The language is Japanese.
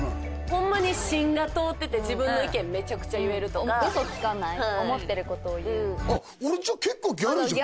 ホンマに芯が通ってて自分の意見メチャクチャ言えるとかウソつかない思ってることを言うギャルです